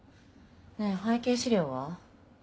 ねぇ背景資料は？